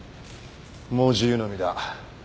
もう自由の身だ。